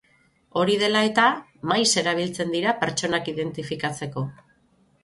Hori dela eta, maiz erabiltzen dira pertsonak identifikatzeko.